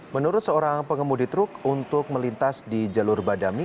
menurut seorang pengemudi truk untuk melintas di jalur badami